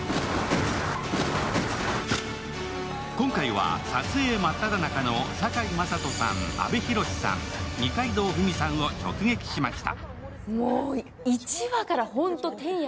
今回は撮影真っただ中の堺雅人さん、阿部寛さん、二階堂ふみさんを直撃しました。